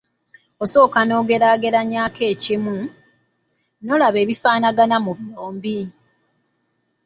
Osooka n'ogeraageranyaako ekimu, n'olaba ebifaanagana mu byombi.